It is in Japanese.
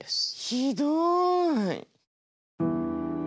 ひどい。